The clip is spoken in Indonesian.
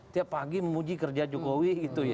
tiap pagi memuji kerja jokowi